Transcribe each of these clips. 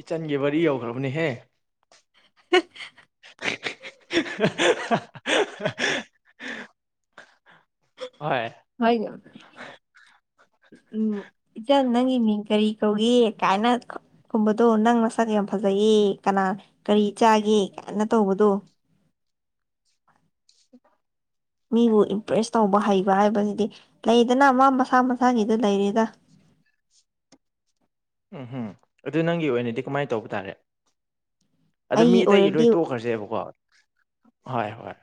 ꯏꯆꯟꯒꯤ ꯋꯥꯔꯤ ꯌꯧꯈ꯭ꯔꯥꯕꯅꯦꯍꯦ [unintelligible] [unintelligible] ꯍꯣꯏ ꯍ‌ꯣꯏꯒ ꯎꯝ ꯏꯆꯟ ꯅꯪꯒꯤ ꯃꯤꯡ ꯀꯔꯤ ꯀꯧꯒꯦ ꯀꯥꯏꯅ ꯈꯨꯝꯕꯗꯣ ꯅꯪ ꯃꯁꯛ ꯌꯥꯝ ꯐꯖꯩꯌꯦ ꯀꯅꯥ ꯀꯔꯤ ꯆꯥꯒꯦ ꯀꯥꯏꯅ ꯇꯧꯕꯗꯣ [inaudible] ꯃꯤꯕꯨ ꯏꯝꯄ꯭ꯔꯦꯁ ꯇꯧꯕ ꯍꯩꯕ ꯍꯥꯏꯕꯁꯤꯗꯤ ꯂꯩꯗꯅ ꯃꯥ ꯃꯁꯥ ꯃꯁꯥꯒꯤꯗ ꯂꯩꯔ‌ꯦꯗ ꯎꯝ ꯍꯨꯝ ꯑꯗꯨ ꯅꯪꯒꯤ ꯑꯣꯏꯅꯗꯤ ꯀꯃꯥꯏ ꯇꯧꯕ ꯇꯥꯔꯦ ꯑꯗꯨ ꯃꯤ ꯑꯩꯒꯤ ꯑꯇꯩꯒꯤ ꯂꯣꯏ ꯑꯣꯏꯔꯗꯤ ꯇꯣꯛꯈ꯭ꯔꯥꯁꯦꯕꯀꯣ ꯍꯣꯏ ꯍꯣꯏ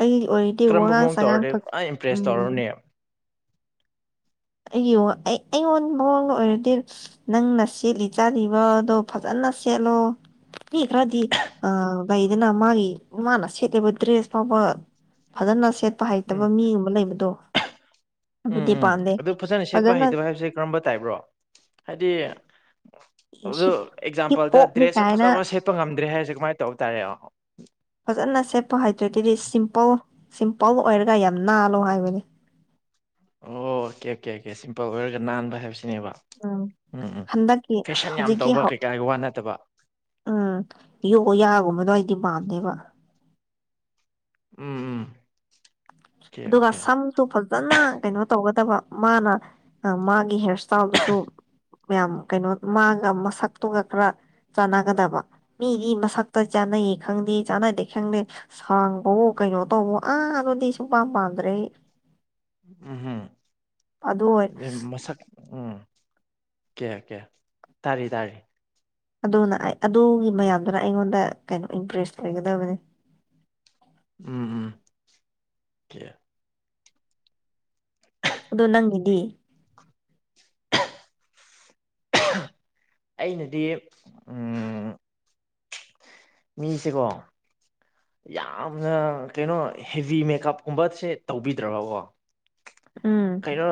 ꯑꯩꯒꯤ ꯑꯣꯏꯔꯗꯤ ꯋꯥꯉꯥꯡ ꯁꯉꯥꯡ ꯐꯛ ꯄ꯭ꯔꯦꯁ ꯇꯧꯔꯅꯦ ꯑꯩꯒꯤ ꯏꯌ‌ꯣꯡ ꯑꯩ ꯑꯩꯉꯣꯟ ꯃꯑꯣꯡꯗ ꯑꯣꯏꯔꯗꯤ ꯅꯪꯅ ꯁꯦꯠꯂꯤ ꯆꯥꯔꯤꯕ ꯗꯣ ꯐꯖꯅ ꯁꯦꯠꯂꯣ ꯃꯤ ꯈꯔꯗꯤ ꯑ ꯂꯩꯗꯅ ꯃꯥꯒꯤ ꯃꯥꯅ ꯁꯦꯠꯂꯤꯕ ꯗ꯭ꯔꯦꯁ ꯐꯥꯎꯕ ꯐꯖꯅ ꯁꯦꯠꯄ ꯎꯝ ꯍꯩꯇꯕ ꯃꯤꯒꯨꯝꯕ ꯂꯩꯕꯗꯣ ꯎꯝ ꯑꯗꯨꯗꯤ ꯎꯝ ꯄꯥꯝꯗꯦ ꯑꯗꯨ ꯐꯖꯅ ꯁꯦꯠꯄ ꯍꯩꯇꯕ ꯍꯥꯏꯕꯁꯦ ꯀꯔꯝꯕ ꯇꯥꯏꯞꯔꯣ ꯍꯥꯏꯗꯤ ꯑꯗꯨ ꯍꯤꯞ ꯍꯤꯞ ꯑꯦꯛꯖꯥꯝꯄꯜꯗ ꯍꯣꯞꯅꯤ ꯗ꯭ꯔꯦꯁꯁ‌ꯦ ꯀꯥꯏꯅ ꯐꯖꯕ ꯁꯦꯠꯄ ꯉꯝꯗ꯭ꯔꯦ ꯍꯥꯏꯔꯁꯦ ꯀꯃꯥꯏꯅ ꯇꯧꯕ ꯇꯥꯔꯦ ꯑꯣ ꯐꯖꯅ ꯁꯦꯠꯄ ꯍꯩꯇ‍꯭ꯔꯥꯗꯤꯅ‌ꯦ ꯁꯤꯝꯄꯜ ꯁꯤꯝꯄꯜ ꯑꯣꯏꯔꯒ ꯌꯥꯝ ꯅꯥꯜꯂꯣ ꯍꯥꯏꯕꯅꯦ ꯑꯣ ꯀꯦ ꯀꯦ ꯀꯦ ꯁꯤꯝꯄꯜ ꯑꯣꯏꯔꯒ ꯅꯥꯟꯕ ꯍꯥꯏꯕꯁꯤꯅꯦꯕ ꯎꯝ ꯎꯝ ꯍꯟꯗꯛꯀꯤ ꯐꯦꯁꯟ ꯌꯥꯝ ꯍꯧꯖꯤꯛꯀꯤ ꯇꯧꯕ ꯍꯧ ꯀꯩꯀꯥꯒꯤ ꯋꯥ ꯅꯠꯇꯕ ꯎꯝ ꯌꯣ ꯌꯥꯒꯨꯝꯕꯗ‌ꯣ ꯑꯩꯗꯤ ꯄꯥꯝꯗꯦꯕ ꯎꯝ ꯎꯝ ꯑꯣꯀꯦ ꯑꯗꯨꯒ ꯑꯣꯀꯦ ꯁꯝꯁꯨ ꯐꯖꯅ ꯀꯩꯅꯣ ꯇꯧꯒꯗꯕ ꯃꯥꯅ ꯃꯥꯒꯤ ꯍꯦꯔ ꯏꯁ ꯇꯥꯏꯜꯗꯨꯁꯨ ꯃꯌꯥꯝ ꯀꯩꯅꯣ ꯃꯥꯥꯒ ꯃꯁꯛꯇꯨꯒ ꯈꯔ ꯆꯥꯟꯅꯒꯗꯕ ꯃꯤꯒꯤ ꯃꯁꯛꯇ ꯆꯥꯅꯩꯌꯦ ꯈꯪꯗꯦ ꯆꯥꯟꯅꯗꯦ ꯈꯪꯗꯦ ꯁꯥꯡꯕ‌ꯑ‌ꯣ ꯀꯩꯅꯣ ꯇꯧꯕ‌ꯣ ꯑꯥ ꯑꯗꯨꯗꯤ ꯁꯨꯡꯄꯥꯝ ꯄꯥꯝꯗ꯭ꯔꯦ ꯑꯩ ꯎꯝ ꯍꯨꯝ ꯑꯗꯨ ꯑꯣꯏ ꯑꯗꯩ ꯃꯁꯛ ꯎꯝ ꯀꯦ ꯀꯦ ꯇꯥꯔꯤ ꯇꯥꯔꯤ ꯑꯗꯨꯅ ꯑꯩ ꯑꯗꯨꯒꯤ ꯃꯌꯥꯝꯗꯨꯅ ꯑꯩꯉꯣꯟꯗ ꯀꯩꯅꯣ ꯏꯝꯄ꯭ꯔꯦꯁ ꯑꯣꯏꯒꯗꯕꯅꯤ ꯎꯝ ꯍꯨꯝ ꯑ‌ꯣꯀ‌ꯣ ꯑꯗꯣ ꯅꯪꯒꯤꯗꯤ ꯑꯩꯅꯗꯤ ꯎꯝ ꯃꯤꯁꯤꯀꯣ ꯌꯥꯝꯅ ꯀꯩꯅꯣ ꯍꯦꯚꯤ ꯃꯦꯀꯞꯀꯨꯝꯕꯁꯦ ꯇꯧꯕꯤꯗ꯭ꯔꯕꯀꯣ ꯎꯝ ꯀꯩꯅꯣ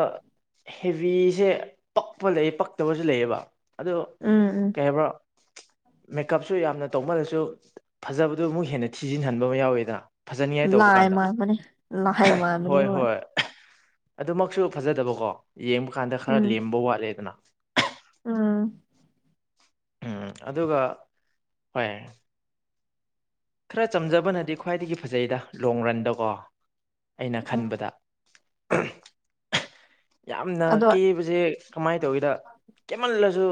ꯍꯦꯕꯤꯁꯦ ꯄꯛꯄ ꯂꯩ ꯄꯛꯇꯕꯁꯨ ꯂꯩꯌꯦꯕ ꯑꯗꯣ ꯎꯝ ꯎꯝ ꯀꯩ ꯍꯥꯏꯕ꯭ꯔꯥ ꯃꯦꯀꯞꯁꯨ ꯌꯥꯝꯅ ꯇꯧꯃꯜꯂꯁꯨ ꯐꯖꯕꯗꯨ ꯑꯃꯨꯛ ꯍꯦꯟꯅ ꯊꯤꯖꯤꯟꯍꯟꯕ ꯑꯃ ꯌꯥꯎꯋꯤꯗꯅ ꯐꯖꯅꯤꯉꯥꯏ ꯇꯧꯕ ꯂꯥꯏ ꯀꯥꯟꯗ ꯃꯥꯟꯕꯅꯦ ꯂꯥꯏ ꯃꯥꯟꯕꯅꯦ ꯍꯣꯏ ꯍꯣꯏ ꯑꯗꯨꯃꯛꯁꯨ ꯐꯖꯗꯕꯀꯣ ꯌꯦꯡꯕ ꯀꯥꯟꯗ ꯈꯔ ꯎꯝ ꯂꯦꯝꯕ ꯋꯥꯠꯂꯦꯗꯅ ꯎꯝ ꯎꯝ ꯑꯗꯨꯒ ꯍꯣꯏ ꯈꯔ ꯆꯝꯖꯕꯅꯗꯤ ꯈ꯭ꯋꯥꯏꯗꯒꯤ ꯐꯖꯩꯗꯥ ꯂꯣꯡ ꯔꯟꯗꯀꯣ ꯑꯩꯅ ꯎꯝ ꯈꯟꯕꯗ ꯌꯥꯝꯅ ꯑꯗꯣ ꯀꯦꯕꯖꯦ ꯀꯃꯥꯏ ꯇꯧꯒꯦꯗ ꯀꯦꯃꯜꯂꯁꯨ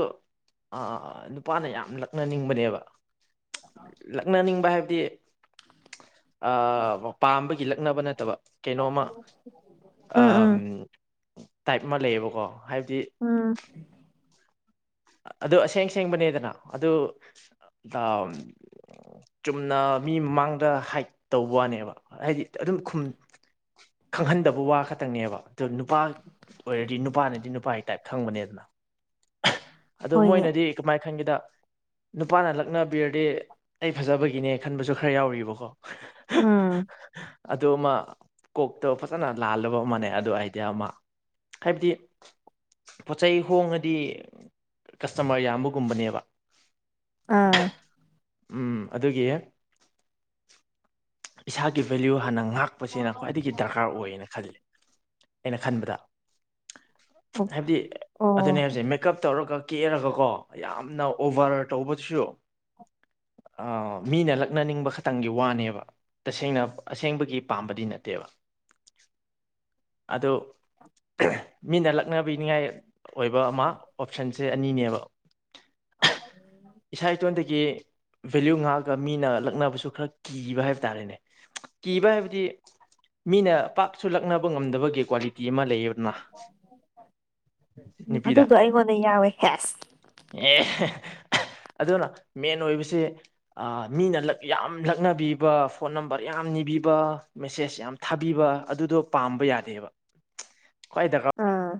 ꯑ ꯅꯨꯄꯥꯅ ꯌꯥꯝ ꯂꯛꯅꯅꯤꯡꯕꯅꯦꯕ ꯂꯛꯅꯅꯤꯡꯕ ꯍꯥꯏꯕꯗꯤ ꯑꯥ ꯄꯥꯝꯕꯒꯤ ꯂꯛꯅꯕ ꯅꯠꯇꯕ ꯀꯩꯅꯣꯝꯃ ꯎꯝ ꯑꯥꯝ ꯎꯝ ꯇꯥꯏꯞ ꯑꯃ ꯂꯩꯌꯦꯕꯀꯣ ꯍꯥꯏꯕꯗꯤ ꯎꯝ ꯑꯗꯨ ꯑꯁꯦꯡ ꯁꯦꯡꯕꯅꯤꯗꯅꯥ ꯑꯗꯨ ꯑ ꯆꯨꯝꯅ ꯃꯤ ꯃꯃꯥꯡꯗ ꯍꯥꯏꯠ ꯇꯧꯕ꯭ꯋꯥꯅꯦꯕ ꯍꯥꯏꯗꯤ ꯑꯗꯨꯝ ꯈꯨꯝ ꯈꯪꯍꯟꯗꯕ ꯋꯥ ꯈꯇꯪꯅꯦꯕ ꯑꯗꯨ ꯅꯨꯄꯥ ꯑꯣꯏꯔꯗꯤ ꯅꯨꯄꯥꯅꯗꯤ ꯅꯨꯄꯥꯏ ꯇꯥꯏꯞ ꯈꯪꯕꯅꯦꯗꯅꯥ ꯑꯗꯨ ꯍꯣꯏꯅꯦ ꯃꯣꯏꯅꯗꯤ ꯀꯃꯥꯏ ꯈꯟꯒꯦꯗꯥ ꯅꯨꯄꯥꯅ ꯂꯛꯅꯕꯤꯔꯗꯤ ꯑꯩ ꯐꯖꯕꯒꯤꯅꯦ ꯈꯟꯕꯁꯨ ꯈꯔ ꯌꯥꯎꯔꯤꯕꯀꯣ ꯎꯝ ꯑꯗꯨꯃꯥ ꯀꯣꯛꯇꯣ ꯐꯖꯅ ꯂꯥꯜꯂꯕ ꯑꯃꯅꯦ ꯑꯗꯣ ꯑꯥꯏꯗꯤꯌꯥ ꯑꯃ ꯍꯥꯏꯕꯗꯤ ꯄꯣꯠ ꯆꯩꯩ ꯍꯣꯡꯉꯗꯤ ꯀꯁꯇꯃꯔ ꯌꯥꯝꯕꯒꯨꯝꯕꯅꯦꯕ ꯑꯥ ꯎꯝ ꯑꯗꯨꯒꯤ ꯏꯁꯥꯒꯤ ꯚꯦꯜꯂꯨ ꯍꯥꯟꯅ ꯉꯥꯛ ꯄꯁꯤꯅ ꯈ꯭ꯋꯥꯏꯗꯒꯤ ꯗꯔꯀꯥꯔ ꯑꯣꯏꯌꯦꯅ ꯈꯜꯂꯤ ꯑꯩꯅ ꯈꯟꯕꯗ ꯑꯣ ꯍꯥꯏꯕꯗꯤ ꯑꯗꯨꯅꯦ ꯑꯣ ꯍꯥꯏꯕꯁꯦ ꯃꯦꯀꯞ ꯇꯧꯔꯒ ꯀꯦꯔꯒ ꯀꯣ ꯌꯥꯝꯅ ꯑꯣꯚꯔ ꯇꯧꯕꯗꯨꯁꯨ ꯑꯥ ꯃꯤꯅ ꯂꯛꯅꯅꯤꯡꯕ ꯈꯇꯪꯒꯤ ꯋꯥꯅꯦꯕ ꯇꯁꯦꯡꯅ ꯑꯁꯦꯡꯕꯒꯤ ꯄꯥꯝꯕꯗꯤ ꯅꯠꯇꯦꯕ ꯑꯗꯨ ꯃꯤꯅ ꯂꯛꯅꯕꯤꯅꯤꯉꯥꯏ ꯑꯣꯏꯕ ꯑꯃ ꯑꯣꯞꯁꯟꯁꯦ ꯑꯅꯤꯅꯦꯕ [inaudible] ꯏꯁꯥ ꯏꯇꯣꯟꯇꯒꯤ ꯚꯦꯂ꯭ꯌꯨ ꯉꯥꯡꯑꯒ ꯃꯤꯅ ꯂꯛꯅꯕꯁꯨ ꯈꯔ ꯀꯤꯕ ꯍꯥꯏꯕ ꯇꯥꯔꯦꯅꯦ ꯀꯤꯕ ꯍꯥꯏꯕꯗꯤ ꯃꯤꯅ ꯄꯥꯛꯁꯨ ꯂꯛꯅꯕ ꯉꯝꯗꯕꯒꯤ ꯀ꯭ꯋꯥꯂꯤꯇꯤ ꯑꯃ ꯂꯩꯌꯦꯕ ꯎꯝ ꯅꯨꯄꯤꯗ ꯑꯗꯨꯗꯣ ꯑꯩꯉꯣꯟꯗ ꯌꯥꯎꯋꯦ ꯍꯦꯁ ꯑꯦ ꯑꯗꯨꯅ ꯃꯦꯟ ꯑꯣꯏꯕꯁꯤ ꯑꯥꯥ ꯃꯤꯅ ꯂꯛ ꯌꯥꯝ ꯂꯛꯅꯕꯤꯕ ꯐꯣꯟ ꯅꯝꯕꯔ ꯌꯥꯝ ꯅꯤꯕꯤꯕ ꯃꯦꯁꯦꯁ ꯌꯥꯝ ꯊꯥꯕꯤꯕ ꯑꯗꯨꯗꯣ ꯄꯥꯝꯕ ꯌꯥꯗꯦꯕ ꯈ꯭ꯋꯥꯏ ꯗꯔꯀꯥꯔ ꯑꯥ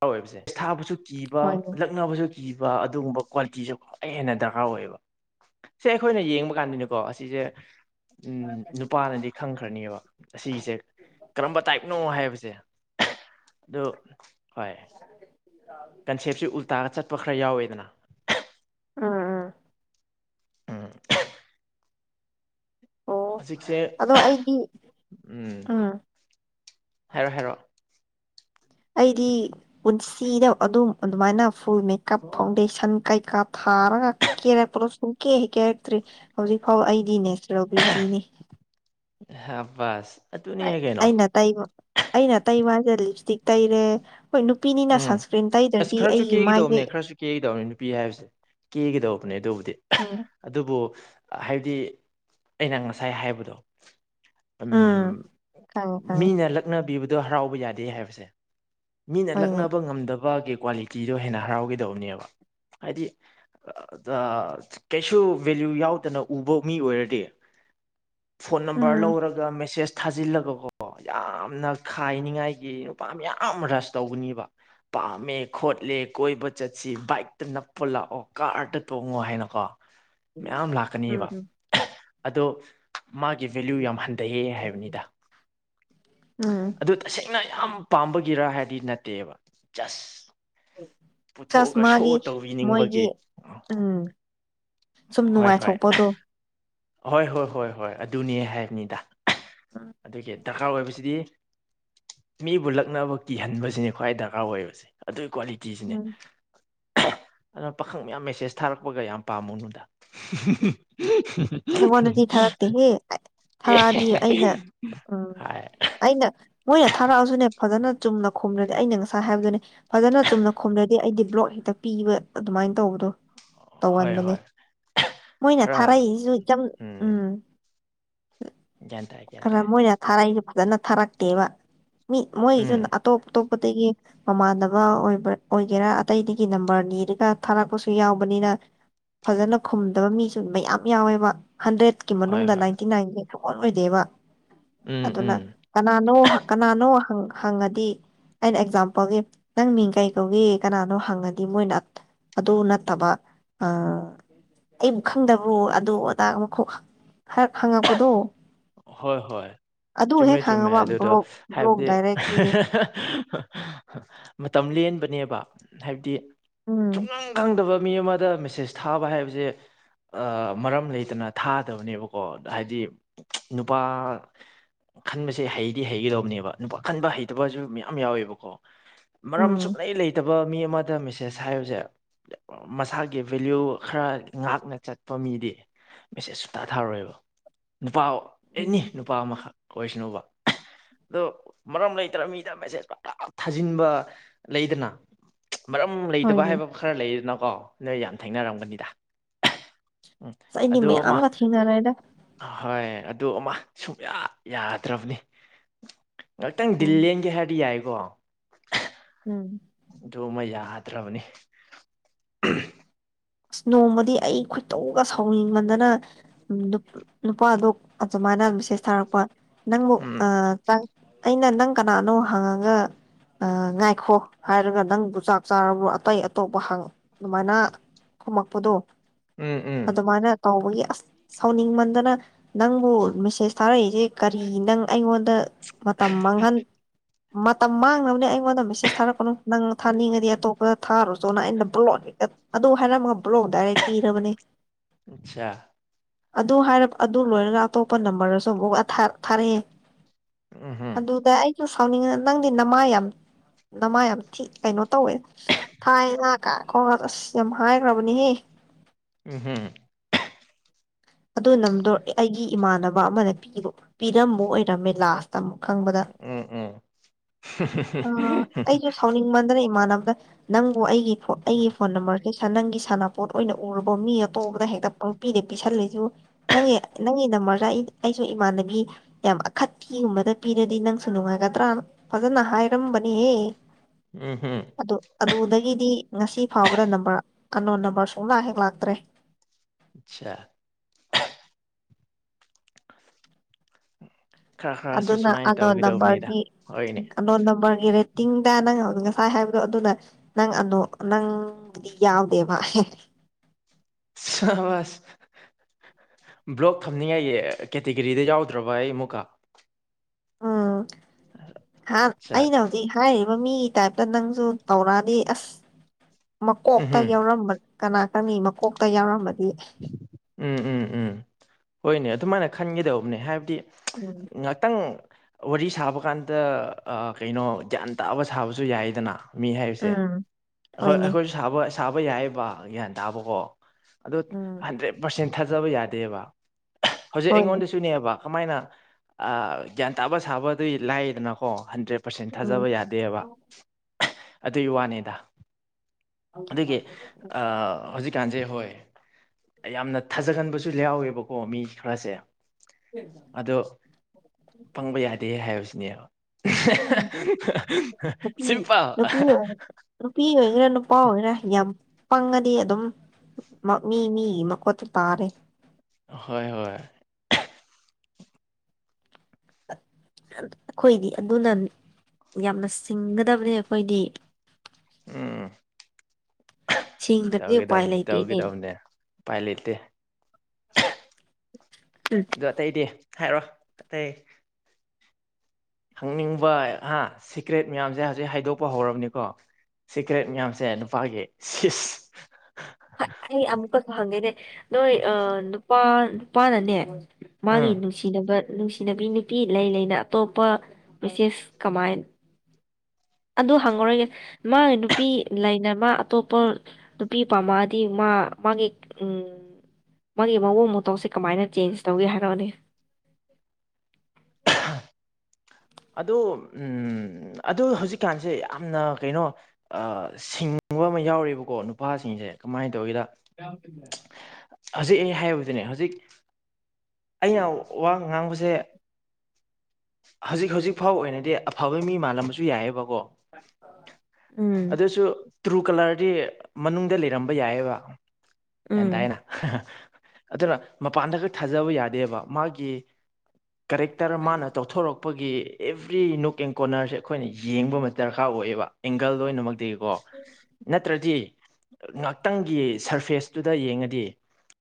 ꯌꯥꯎꯋꯦꯕꯁꯦ ꯊꯥꯕꯁꯨ ꯀꯤꯕ ꯍꯣꯏꯅꯦ ꯂꯛꯅꯕꯁꯨ ꯀꯤꯕ ꯑꯗꯨꯒꯨꯝꯕ ꯀ꯭ꯋꯥꯂꯤꯇꯤꯁꯦ ꯈ꯭ꯋꯥꯏ ꯍꯦꯟꯅ ꯗꯔꯀꯥꯔ ꯑꯣꯏꯌꯦꯕ ꯁꯦ ꯑꯩꯈꯣꯏꯅ ꯌꯦꯡꯕ ꯀꯥꯟꯗꯅꯤꯀꯣ ꯑꯁꯤꯁꯦ ꯎꯝ ꯅꯨꯄꯥꯅꯗꯤ ꯈꯪꯈ꯭ꯔꯅꯦꯕ ꯑꯁꯤꯒꯤꯁꯦ ꯀꯔꯝꯕ ꯇꯥꯏꯞꯅꯣ ꯍꯥꯏꯕꯁꯦ ꯑꯗꯨ ꯍꯣꯏ [inaudible] ꯀꯟꯁꯦꯞꯁꯤ ꯎꯜꯇꯥꯥꯒ ꯆꯠꯄ ꯈꯔ ꯌꯥꯎꯋꯦꯗꯅ ꯑꯥ ꯑꯥ ꯎꯝ ꯑꯣ ꯍꯧꯖꯤꯛꯁꯦ ꯑꯗꯣ ꯑꯩꯗꯤ ꯎꯝ ꯍꯥꯏꯔꯣ ꯍꯥꯏꯔꯣ ꯑꯩꯗꯤ ꯄꯨꯟꯁꯤꯗ ꯑꯗꯨꯝ ꯑꯗꯨꯃꯥꯏꯅ ꯐꯨꯜ ꯃꯦꯀꯞ ꯐꯥꯎꯟꯗꯦꯁꯟ ꯀꯩꯀꯥꯞ ꯊꯥꯔꯒ ꯀꯦꯔꯛꯄꯗꯣ ꯁꯨꯡ ꯀꯦ ꯍꯦ ꯀꯦꯔꯛꯇ꯭ꯔꯤ ꯍꯧꯖꯤꯛ ꯐꯥꯎ ꯑꯩꯗꯤ ꯅꯦꯆꯔꯦꯜ ꯕꯌꯨꯇꯤꯅꯤ ꯍꯥꯕꯁ ꯑꯩꯅ ꯇꯩꯕ ꯑꯩꯅ ꯇꯩꯕ ꯍꯥꯏꯔꯗꯤ ꯂꯤꯞ ꯏꯁꯇꯤꯛ ꯇꯩꯔꯦ ꯍꯣꯏ ꯅꯨꯄꯤꯅꯤꯅ ꯎꯝ ꯁꯟꯁꯀ꯭ꯔꯤꯟ ꯇꯩꯗ꯭ꯔꯗꯤ ꯈꯔꯁꯨ ꯑꯩꯒꯤ ꯃꯥꯏꯁꯦ ꯀꯦꯒꯤꯗꯧꯕꯅꯦ ꯈꯔꯁꯨ ꯀꯦꯒꯤꯗꯧꯕꯅꯤ ꯅꯨꯄꯤ ꯍꯥꯏꯕꯁꯦ ꯀꯤꯒꯗꯧꯕꯅꯦ ꯑꯗꯨꯕꯨꯗꯤ ꯎꯝ ꯑꯗꯨꯕꯨ ꯍꯥꯏꯕꯗꯤ ꯑꯩꯅ ꯉꯁꯥꯏ ꯍꯥꯏꯕꯗꯣ ꯎꯝ ꯈꯪꯉꯦ ꯈꯪꯉꯦ ꯃꯤꯅ ꯂꯛꯅꯕꯤꯕꯗꯣ ꯍꯔꯥꯎꯕ ꯌꯥꯗꯦ ꯍꯥꯏꯕꯁꯦ ꯃꯤꯅ ꯂꯛ ꯍꯣꯏꯅꯦ ꯉꯝꯗꯕꯒꯤ ꯀ꯭ꯋꯥꯂꯤꯇꯤꯗꯣ ꯍꯦꯟꯅ ꯍꯔꯥꯎꯒꯗꯧꯕꯅꯦꯕ ꯍꯥꯏꯗꯤ ꯀꯩꯁꯨ ꯚꯦꯂꯌꯨ ꯌꯥꯎꯗꯅ ꯎꯕ ꯃꯤ ꯑꯣꯏꯔꯗꯤ ꯐꯣꯟ ꯅꯝꯕꯔ ꯎꯝ ꯂꯧꯔꯒ ꯃꯦꯁꯦꯁ ꯊꯥꯖꯤꯜꯂꯒꯀꯣ ꯌꯥꯝꯅ ꯈꯥꯏꯅꯤꯡꯉꯥꯏꯒꯤ ꯅꯨꯄꯥ ꯃ ꯌꯥꯝ ꯔꯁ ꯇꯧꯕꯅꯤꯕ ꯄꯥꯝꯃꯦ ꯈꯣꯠꯂꯦ ꯀꯣꯏꯕ ꯆꯠꯁꯤ ꯕꯥꯏꯛꯇ ꯅꯛꯄ ꯂꯥꯛꯑꯣ ꯀꯥꯔꯗ ꯇꯣꯡꯉꯣ ꯍꯥꯏꯅꯀꯣ [inaudible] ꯃꯌꯥꯝ ꯂꯥꯛꯀꯅꯦꯕ ꯎꯝ ꯑꯗꯣ ꯃꯥꯒꯤ ꯚꯦꯂꯨ ꯌꯥꯝ ꯍꯟꯊꯩꯑꯦ ꯎꯝ ꯍꯥꯏꯕꯅꯤꯗ ꯎꯝ ꯑꯗꯨ ꯇꯁꯦꯡꯅ ꯌꯥꯝ ꯄꯥꯝꯕꯒꯤꯔ ꯍꯥꯏꯗꯤ ꯅꯠꯇꯦꯕ ꯖꯁ ꯆꯁ ꯄꯨꯊꯣꯛꯑꯒ ꯃꯥꯒꯤ ꯁꯣ ꯇꯧꯕꯤꯅꯤꯡꯕꯒꯤ ꯃꯣꯏꯒꯤ ꯎꯝ ꯁꯨꯝ ꯅꯨꯡꯉꯥꯏꯊꯣꯛꯄꯗꯣ ꯑꯍꯣꯏ ꯍꯣꯏ ꯍꯣꯏ ꯍꯣꯏ ꯑꯗꯨꯅꯦ ꯍꯥꯏꯕꯅꯤꯗ ꯎꯝ ꯑꯗꯨꯒꯤ ꯗꯔꯀꯥꯔ ꯑꯣꯏꯕꯁꯤꯗꯤ ꯃꯤꯕꯨ ꯂꯛꯅꯕ ꯀꯤꯍꯟꯕꯁꯤꯅꯦ ꯈ꯭ꯋꯥꯏ ꯗꯔꯀꯥꯔ ꯑꯣꯏꯌꯦꯕꯁꯦ ꯑꯗꯨꯒꯤ ꯀ꯭ꯋꯥꯂꯤꯇꯤꯁꯤꯅꯦ ꯎꯝ ꯑꯗꯨꯅ ꯄꯥꯈꯪ ꯃꯌꯥꯝ ꯃꯦꯁꯦꯁ ꯊꯥꯔꯛꯄꯒ ꯌꯥꯝ ꯄꯥꯝꯃꯨ ꯅꯨꯗ [inaudible] ꯑꯩꯉꯣꯟꯗꯗꯤ ꯊꯥꯔꯛꯇꯦꯍꯦ ꯑꯦ ꯊꯥꯔꯛꯑꯗꯤ ꯑꯩꯅ ꯎꯝ ꯍꯥꯏ ꯑꯩꯅ ꯃꯣꯏꯅ ꯊꯥꯔꯛꯑꯁꯨꯅꯦ ꯐꯖꯅ ꯆꯨꯝꯅ ꯈꯨꯝꯂꯗꯤ ꯑꯩꯅ ꯉꯁꯥꯏ ꯍꯥꯏꯕꯗꯨꯅꯦ ꯐꯖꯅ ꯆꯨꯝꯅ ꯈꯣꯝꯂꯗꯤ ꯑꯩꯗꯤ ꯕ꯭ꯂꯣꯛ ꯍꯦꯛꯇ ꯄꯤꯕ ꯑꯗꯨꯃꯥꯏꯅ ꯇꯧꯕꯗꯣ ꯍꯣꯏ ꯇꯧꯍꯟꯕꯅꯦ ꯍꯣꯏ ꯃꯣꯏꯅ ꯈꯔ ꯊꯥꯔꯛꯏꯁꯨ ꯎꯝ ꯒ꯭ꯌꯥꯟ ꯇꯥꯏ ꯒ꯭ꯌꯥꯟ ꯈꯔ ꯇꯥꯏ ꯃꯣꯏꯅ ꯊꯥꯔꯛꯏꯁꯨ ꯐꯖꯅ ꯊꯥꯔꯛꯇꯦꯕ ꯃꯤꯠ ꯃꯣꯏꯁꯨ ꯎꯝ ꯑꯇꯣꯞ ꯑꯇꯣꯞꯄ ꯄꯗꯒꯤ ꯃꯃꯥꯟꯅꯕ ꯑꯣꯏꯕ ꯑꯣꯏꯒꯦꯔꯥ ꯑꯇꯩꯗꯒꯤ ꯅꯝꯕꯔꯅꯤꯔꯒ ꯊꯥꯔꯛꯄꯁꯨ ꯌꯥꯎꯕꯅꯤꯅ ꯐꯖꯅ ꯈꯨꯝꯗꯕ ꯃꯤꯁꯨ ꯃꯌꯥꯝ ꯌꯥꯎꯋꯦꯕ ꯍꯟꯗ꯭ꯔꯦꯠꯀꯤ ꯍꯣꯏ ꯃꯅꯨꯡꯗ ꯍꯣꯏ ꯅꯥꯏꯟꯇꯤ ꯅꯥꯏꯟꯁꯦ ꯁꯨꯡꯜ ꯑꯣꯏꯗꯦꯕ ꯎꯝ ꯑꯗꯨꯅ ꯎꯝ ꯀꯅꯥꯅꯣ ꯀꯅꯥꯅꯣ ꯍꯪꯉꯗꯤ ꯑꯩꯅ ꯑꯦꯛꯖꯥꯝꯄꯜꯒꯤ ꯅꯪ ꯃꯤꯡ ꯀꯩ ꯀꯧꯒꯤ ꯀꯅꯥꯅꯣ ꯍꯪꯉꯗꯤ ꯃꯣꯏꯅ ꯑꯗꯨ ꯅꯠꯇꯕ ꯑꯥ ꯑꯩꯕꯨ ꯈꯪꯗꯕ꯭ꯔꯣ ꯑꯗꯨ ꯑꯗꯥ ꯑꯃꯈꯣꯛꯔ ꯍꯪꯉꯛꯄꯗꯣ ꯍꯣꯏ ꯍꯣꯏ ꯑꯗꯨ ꯆꯨꯝꯃꯦ ꯍꯦꯛ ꯆꯨꯝꯃꯦ ꯍꯪꯉꯕ ꯑꯗꯨꯗꯣ ꯕ꯭ꯂꯣꯛ ꯕ꯭ꯂꯣꯛ ꯍꯥꯏꯕꯗꯤ ꯗꯥꯏꯔꯦꯛ ꯄꯤꯔꯦ ꯃꯇꯝ ꯂꯦꯟꯕꯅꯦꯕ ꯍꯥꯏꯕꯗꯤ ꯎꯝ ꯁꯨꯡꯈꯪ ꯈꯪꯗꯕ ꯃꯤ ꯑꯃꯗ ꯃꯦꯁꯦꯁ ꯊꯥꯕ ꯍꯥꯏꯕꯁꯦ ꯃꯔꯝ ꯂꯩꯇꯅ ꯑꯥ ꯊꯥꯗꯕꯅꯦꯕꯀꯣ ꯍꯥꯏꯗꯤ ꯅꯨꯄꯥ ꯈꯟꯕꯁꯦ ꯍꯩꯗꯤ ꯍꯩꯒꯗꯧꯕꯅꯦꯕ ꯅꯨꯄꯥ ꯈꯟꯕ ꯍꯩꯇꯕꯁꯨ ꯃꯌꯥꯝ ꯌꯥꯎꯋꯦꯕꯀꯣ ꯃꯔꯝ ꯎꯝ ꯁꯨꯡꯂꯩ ꯂꯩꯇꯕ ꯃꯤ ꯑꯃꯗ ꯃꯦꯁꯦꯁ ꯍꯥꯏꯕꯁꯦ ꯃꯁꯥꯒꯤ ꯚꯦꯂꯌꯨ ꯈꯔ ꯉꯥꯛꯅ ꯆꯠꯄ ꯃꯤꯗꯤ ꯃꯦꯁꯦꯖ ꯁꯨꯛꯊꯥ ꯊꯥꯔꯣꯏꯕ ꯅꯨꯄꯥ ꯑꯦꯅꯤ ꯎꯝ ꯅꯨꯄꯥ ꯑꯃ ꯑꯣꯏꯁꯅꯨꯕ ꯑꯣ ꯃꯔꯝ ꯂꯩꯇꯅ ꯃꯤꯗ ꯃꯦꯁꯦꯖ ꯄꯨꯡꯊꯥ ꯊꯥꯖꯤꯟꯕ ꯂꯩꯗꯅ ꯃꯔꯝ ꯂꯩꯇꯕ ꯍꯣꯏꯅꯦ ꯍꯥꯏꯕ ꯈꯔ ꯂꯩꯗꯅꯀꯣ ꯅꯣꯏ ꯌꯥꯝ ꯊꯦꯡꯅꯔꯝꯒꯅꯤꯗ ꯑꯁ ꯑꯩꯗꯤ ꯃꯌꯥꯝꯒ ꯊꯦꯡꯅꯔꯦꯗ ꯑꯍꯣꯏ ꯑꯗꯨ ꯑꯃ ꯁꯨꯡꯌꯥ ꯌꯥꯗ꯭ꯔꯕꯅꯤ ꯉꯛꯇꯪ ꯗꯤꯜ ꯎꯝ ꯂꯦꯟꯒꯦ ꯍꯥꯏꯔꯗꯤ ꯌꯥꯏꯀꯣ ꯎꯝ ꯑꯗꯨ ꯑꯃ ꯌꯥꯗ꯭ꯔꯕꯅꯤ ꯑꯁ ꯅꯣꯡꯃꯗꯤ ꯑꯩ ꯈꯣꯏꯗꯧꯒ ꯁꯥꯎꯅꯤꯡꯃꯟꯗꯅ ꯅꯨꯞ ꯅꯨꯄꯥꯗꯣ ꯑꯗꯨꯃꯥꯏꯅ ꯃꯦꯁꯦꯁ ꯊꯥꯔꯛꯄ ꯅꯪꯕꯨ ꯎꯝ ꯑ ꯑꯩꯅ ꯅꯪ ꯀꯅꯥꯅꯣ ꯍꯪꯉꯒ ꯉꯥꯏꯈꯣ ꯍꯥꯏꯔꯒ ꯅꯪꯕꯨ ꯆꯥꯛ ꯆꯥꯔꯕ꯭ꯔꯣ ꯑꯇꯩ ꯑꯇꯣꯞꯄ ꯍꯪ ꯑꯗꯨꯃꯥꯏꯅ ꯈꯨꯝꯃꯛꯄꯗꯣ ꯎꯝ ꯎꯝ ꯑꯗꯨꯃꯥꯏꯅ ꯇꯧꯕꯒꯤ ꯑꯁ ꯁꯥꯎꯅꯤꯡꯃꯟꯗꯅ ꯅꯪꯕꯨ ꯃꯦꯁꯦꯁ ꯊꯥꯔꯛꯏꯁꯦ ꯀꯔꯤ ꯅꯪ ꯑꯩꯉꯣꯟꯗ ꯃꯇꯝ ꯃꯥꯡꯍꯟ ꯃꯇꯝ ꯃꯥꯡꯅꯕꯅꯦ ꯑꯩꯉꯣꯟꯗ ꯃꯦꯁꯦꯁ ꯊꯥꯔꯛꯀꯅꯨ ꯅꯪꯅ ꯊꯥꯅꯤꯡꯉꯗꯤ ꯑꯇꯣꯞꯄꯗ ꯊꯥꯔꯨꯆꯣꯅ ꯑꯩꯅ ꯕꯂꯣꯛ ꯍꯦꯛꯇꯥ ꯑꯗꯨ ꯍꯥꯏꯔꯝꯃ ꯕ꯭ꯂꯣꯛ ꯗꯥꯏꯔꯦꯛ ꯄꯤꯔꯕꯅꯦ ꯑꯠꯆꯥ ꯑꯗꯨ ꯍꯥꯏꯔꯞ ꯑꯗꯨ ꯂꯣꯏꯔꯒ ꯑꯇꯣꯞꯄ ꯅꯝꯕꯔꯗꯁꯨ ꯑꯃꯨꯛ ꯊꯥꯔꯛ ꯊꯥꯔꯛꯑꯦ ꯎꯝꯍꯨꯝ ꯑꯗꯨꯗ ꯑꯩꯁꯨ ꯁꯥꯎꯅꯤꯡꯉ ꯅꯪꯗꯤ ꯅꯃꯥꯏ ꯌꯥꯝ ꯅꯃꯥꯏ ꯌꯥꯝ ꯊꯤ ꯀꯩꯅꯣ ꯇꯧꯋꯦ ꯍꯥꯏꯅ ꯀꯣ ꯑꯁ ꯌꯥꯝ ꯍꯥꯏꯈ꯭ꯔꯕꯅꯤꯍꯦ ꯎꯝ ꯍꯝ ꯑꯗꯨ ꯅꯝꯕꯔꯗꯣ ꯑꯩꯒꯤ ꯏꯃꯥꯟꯅꯕ ꯑꯃꯅ ꯄꯤꯕ ꯄꯤꯔꯝꯕ ꯑꯣꯏꯔꯝꯃꯦ ꯂꯥꯁ ꯇ ꯈꯪꯕꯗ ꯎꯝ ꯎꯝ ꯑ ꯑꯩꯁꯨ ꯁꯥꯎꯅꯤꯡ ꯃꯟꯗꯅ ꯏꯃꯥꯟꯅꯕꯗ ꯅꯪꯕꯨ ꯑꯩꯒꯤ ꯑꯩꯒꯤ ꯐꯣꯟ ꯅꯝꯕꯔ ꯁꯦ ꯅꯪꯒꯤ ꯁꯥꯟꯅꯄꯣꯠ ꯑꯣꯏꯅ ꯎꯔꯕꯣ ꯃꯤ ꯑꯇꯣꯞꯄꯗ ꯍꯦꯛꯇ ꯄꯪꯄꯤꯗ ꯄꯤꯁꯜꯂꯤ ꯑꯩꯁꯨ ꯅꯪꯒꯤ ꯅꯪꯒꯤ ꯅꯝꯕꯔꯗ ꯑꯩ ꯑꯩꯁꯨ ꯏꯃꯥꯟꯅꯕꯤ ꯌꯥꯝ ꯑꯈꯠꯄꯤ ꯑꯃꯗ ꯄꯤꯔꯗꯤ ꯅꯪꯁꯨ ꯅꯨꯡꯉꯥꯏꯒꯗ꯭ꯔꯅ ꯐꯖꯅ ꯍꯥꯏꯔꯝꯕꯅꯤꯍꯦ ꯎꯝ ꯍꯝ ꯑꯗꯨ ꯑꯗꯨꯗꯒꯤꯗꯤ ꯉꯁꯤ ꯐꯥꯎꯕꯗ ꯅꯝꯕꯔ ꯑꯟꯅꯣꯟ ꯅꯝꯕꯔ ꯁꯨꯡꯂꯥꯛ ꯍꯦꯛ ꯂꯥꯛꯇ꯭ꯔꯦ ꯑꯆꯥ ꯈꯔ ꯈꯔꯁꯨ ꯑꯗꯨꯅ ꯁꯨꯃꯥꯏꯅ ꯑꯟꯅꯣꯟ ꯇꯧꯒꯗꯧꯕꯅꯤꯗ ꯅꯝꯕꯔꯒꯤ ꯍꯣꯏꯅꯦ ꯑꯟꯅꯣꯟ ꯅꯝꯕꯔꯒꯤ ꯔꯦ ꯇꯤꯡꯗ ꯅꯪ ꯍꯧꯛ ꯉꯁꯥꯏ ꯍꯥꯏꯕꯗꯣ ꯑꯗꯨꯅ ꯅꯪ [unintelligible] ꯅꯪꯕꯨꯗꯤ ꯌꯥꯎꯗꯦꯕ ꯁꯕꯥꯁ ꯕ꯭ꯂꯣꯛ ꯊꯝꯅꯤꯡꯉꯥꯏꯒꯤ ꯀꯦꯇꯤꯒꯣꯔꯤꯗ ꯌꯥꯎꯗ꯭ꯔꯕ ꯑꯩ ꯑꯃꯨꯛꯀ ꯍꯥ ꯆꯥꯔꯦ ꯑꯩꯅ ꯍꯧꯖꯤꯛ ꯍꯥꯏꯔꯤꯕ ꯃꯤꯒꯤ ꯇꯥꯏꯞꯇ ꯅꯪꯁꯨ ꯇꯧꯔꯛꯑꯗꯤ ꯑꯁ ꯃꯀꯣꯛꯇ ꯎꯝꯍꯨꯝ ꯌꯥꯎꯔꯝꯕ ꯀꯅꯥ ꯈꯪꯅꯤ ꯃꯀꯣꯛꯇ ꯌꯥꯎꯔꯝꯃꯗꯤ ꯎꯝ ꯎꯝ ꯎꯝ ꯍꯣꯏꯅꯦ ꯑꯗꯨꯃꯥꯏꯅ ꯈꯟꯒꯗꯧꯕꯅꯦ ꯍꯥꯏꯕꯗꯤ ꯎꯝ ꯉꯥꯇꯪ ꯋꯥꯔꯤ ꯁꯥꯕ ꯀꯥꯟꯗ ꯑꯥ ꯀꯩꯅꯣ ꯒ꯭ꯌꯥꯟ ꯇꯥꯕ ꯁꯥꯕꯁꯨ ꯌꯥꯏꯗꯅ ꯃꯤ ꯍꯥꯏꯕꯁꯦ ꯎꯝ ꯑꯈꯣꯏ ꯍꯣꯏꯅꯦ ꯑꯩꯈꯣꯏ ꯁꯥꯕ ꯁꯥꯕ ꯌꯥꯏꯌꯦꯕ ꯒ꯭ꯌꯥꯟ ꯇꯥꯕꯀꯣ ꯑꯗꯣ ꯎꯝ ꯍꯟꯗ꯭ꯔꯦꯠ ꯄꯥꯔꯁꯦꯟ ꯊꯥꯖꯕ ꯌꯥꯗꯦꯕ ꯍꯧꯖꯤꯛ ꯍꯣꯏꯅꯦ ꯑꯩꯉꯣꯟꯗꯁꯨ ꯁꯨꯅꯦꯕ ꯀꯃꯥꯏꯅ ꯑ ꯒ꯭ꯌꯥꯟ ꯇꯥꯕ ꯁꯥꯕꯗꯨ ꯂꯥꯏꯌꯦꯗꯅꯀꯣ ꯍꯟꯗ꯭ꯔꯦꯠ ꯄꯔꯁꯦꯟ ꯎꯝ ꯊꯥꯖꯕ ꯌꯥꯗꯦꯕ ꯑꯗꯨꯒꯤ ꯋꯥꯅꯤꯗ ꯑꯗꯨꯒꯤ ꯑꯥ ꯍꯧꯖꯤꯛꯀꯥꯟꯁꯦ ꯍꯣꯏ ꯌꯥꯝꯅ ꯊꯥꯖꯒꯟꯕꯁꯨ ꯌꯥꯎꯋꯦꯕꯀꯣ ꯃꯤ ꯈꯔꯁꯦ ꯑꯗꯣ ꯄꯪꯕ ꯌꯥꯗꯦ ꯍꯥꯏꯕꯁꯤꯅꯦꯕ ꯎꯝ [unintelligible] ꯅꯨꯄꯤ ꯁꯤꯝꯄꯜ ꯅꯨꯄꯤ ꯑꯣꯏ ꯅꯨꯄꯤ ꯑꯣꯏꯒꯦꯔ ꯅꯨꯄꯥ ꯑꯣꯏꯒꯦꯔ ꯌꯥꯝ ꯄꯪꯉꯗꯤ ꯑꯗꯨꯝ ꯃꯤ ꯃꯤꯒꯤ ꯃꯈꯨꯠꯇ ꯇꯥꯔꯦ ꯍꯣꯏ ꯍꯣꯏ ꯑꯩꯈꯣꯏꯗꯤ ꯑꯗꯨꯅ ꯌꯥꯝꯅ ꯁꯤꯡꯒꯗꯕꯅꯦ ꯑꯩꯈꯣꯏꯗꯤ ꯎꯝ ꯁꯤꯡꯗ꯭ꯔꯗꯤ ꯇꯧꯒꯦ ꯎꯄꯥꯏ ꯇꯧꯕꯅꯦ ꯂꯩꯇꯦꯅꯦ ꯇꯧꯒꯦꯗꯧꯕꯅꯦ ꯎꯄꯥꯏ ꯂꯩꯇꯦ ꯎꯝ [unintelligible] ꯑꯗꯣ ꯑꯇꯩꯗꯤ ꯍꯥꯏꯔꯣ ꯑꯇꯩ ꯍꯪꯅꯤꯡꯕ ꯍꯥ ꯁꯤꯀ꯭ꯔꯦꯠ ꯃꯌꯥꯝꯁꯦ ꯍꯧꯖꯤꯛ ꯍꯥꯏꯗꯣꯛꯄ ꯍꯧꯔꯕꯅꯤꯀꯣ ꯁꯤꯀ꯭ꯔꯦꯠ ꯃꯌꯥꯝꯁꯦ ꯅꯨꯄꯥꯒꯤ ꯁꯤꯁ ꯑꯩ ꯑꯃꯨꯛꯀꯁꯨ ꯍꯪꯉꯦꯅꯦ ꯅꯣꯏ ꯅꯨꯄꯥ ꯅꯨꯄꯥꯅꯅꯦ ꯃꯥꯒꯤ ꯎꯝ ꯅꯨꯡꯁꯤꯅꯕ ꯅꯨꯡꯁꯤꯅꯕꯤ ꯅꯨꯄꯤ ꯂꯩ ꯂꯩꯅ ꯑꯇꯣꯞꯄ ꯃꯦꯁꯦꯁ ꯀꯃꯥꯏꯟ ꯑꯗꯨ ꯍꯪꯉꯔꯣꯢꯒꯦ ꯃꯥ ꯅꯨꯄꯤ ꯂꯩꯅ ꯃꯥ ꯑꯇꯣꯞꯄ ꯅꯨꯄꯤ ꯄꯥꯝꯃ ꯑꯗꯤ ꯃꯥ ꯃꯥꯒꯤ ꯎꯝ ꯃꯥꯒꯤ ꯃꯑꯣꯡ ꯃꯇꯧꯁꯦ ꯀꯃꯥꯏꯅ ꯆꯦꯟꯖ ꯇꯧꯒꯦ ꯍꯥꯏꯔꯛꯅꯤ ꯑꯗꯨ ꯑꯝ ꯑꯗꯨ ꯍꯧꯖꯤꯛꯀꯥꯟꯁꯦ ꯌꯥꯝꯅ ꯀꯩꯅꯣ ꯑꯥ ꯁꯤꯡꯕ ꯑꯃ ꯌꯥꯎꯑꯦꯕꯀꯣ ꯅꯨꯄꯥꯁꯤꯡꯁꯦ ꯀꯃꯥꯏꯟ ꯇꯧꯒꯦꯗ [unintelligible] ꯍꯧꯖꯤꯛ ꯑꯩ ꯍꯥꯏꯕꯗꯨꯅꯦ ꯍꯧꯖꯤꯛ ꯑꯩꯅ ꯋꯥ ꯉꯥꯡꯕꯁꯦ ꯍꯧꯖꯤꯛ ꯍꯧꯖꯤꯛ ꯐꯥꯎ ꯑꯣꯏꯅꯗꯤ ꯑꯐꯕ ꯃꯤ ꯃꯥꯜꯂꯝꯕꯁꯨ ꯌꯥꯏꯑꯕꯀꯣ ꯎꯝ ꯑꯗꯨꯁꯨ ꯇ꯭ꯔꯨ ꯀꯂꯔꯗꯤ ꯃꯅꯨꯡꯗ ꯂꯩꯔꯝꯕ ꯌꯥꯏꯑꯕ ꯒ꯭ꯌꯥꯟ ꯎꯝ ꯇꯥꯏꯅ [unintelligible] ꯑꯗꯨꯅ ꯃꯄꯥꯟꯗ ꯈꯛ ꯊꯥꯖꯕ ꯌꯥ ꯗꯦꯕ ꯃꯥꯒꯤ ꯀꯔꯦꯛꯇꯔ ꯃꯥꯅ ꯇꯧꯊꯣꯔꯛ ꯑꯄꯒꯤ ꯑꯦꯕ꯭ꯔꯤ ꯅꯨꯡꯛ ꯑꯦꯟ ꯀꯣꯅꯔꯁꯦ ꯑꯩꯈꯣꯏꯅ ꯌꯦꯡꯕ ꯑꯃ ꯗꯔꯀꯥꯔ ꯑꯣꯏꯌꯦꯕ ꯑꯦꯡꯒꯜ ꯂꯣꯏꯅꯃꯛꯇꯤꯀꯣ ꯅꯠꯇ꯭ꯔꯗꯤ ꯉꯥꯛꯇꯪꯒꯤ ꯁꯔꯐꯦꯁꯇꯨꯗ ꯌꯦꯡꯉꯗꯤ